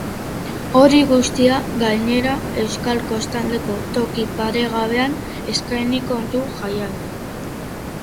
Hori guztia, gainera, euskal kostaldeko toki paregabean eskainiko du jaialdiak.